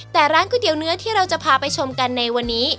แต่ร้านก๋วยเตี๋ยวเนื้อที่เราจะพาไปชมกันในวันนี้